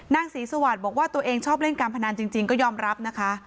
ศรีสวัสดิ์บอกว่าตัวเองชอบเล่นการพนันจริงก็ยอมรับนะคะ